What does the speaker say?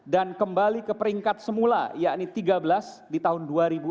dan kembali ke peringkat semula yakni tiga belas di tahun dua ribu enam belas